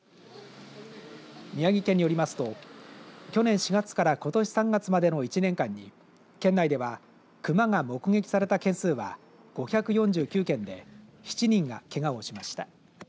宮城県によりますと去年４月からことし３月までの１年間に県内では熊が目撃された件数は５４９件で７人が、けがをしました。